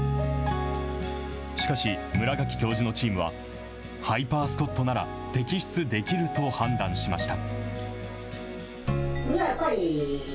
しかし、村垣教授のチームは、ハイパー・スコットなら摘出できると判断しました。